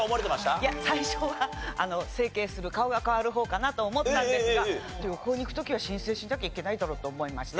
いや最初は整形する顔が変わる方かなと思ったんですが旅行に行く時は申請しなきゃいけないだろうと思いまして。